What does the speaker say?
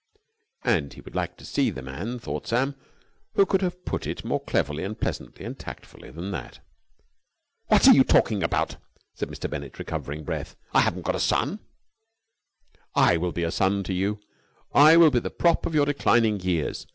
And he would like to see the man, thought Sam, who could have put it more cleverly and pleasantly and tactfully than that. "What are you talking about?" said Mr. Bennett, recovering breath. "I haven't got a son." "I will be a son to you! I will be the prop of your declining years...."